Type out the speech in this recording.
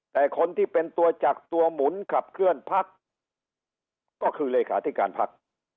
แต่คนที่เป็นตัวจักรตัวหมุนขับเคลื่อนพักก็คือเลขาธิการพัก